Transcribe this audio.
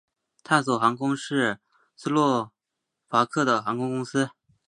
探索航空是斯洛伐克的航空公司。